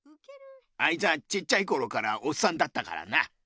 あいつはちっちゃいころからおっさんだったからな。